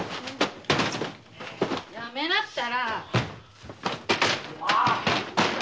やめなったら。